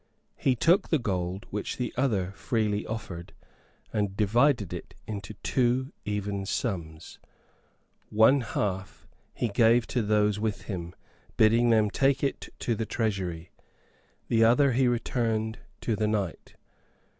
He took the gold which the other freely offered, and divided it into two even sums. One half he gave to those with him, bidding them take it to the treasury, the other he returned to the knight.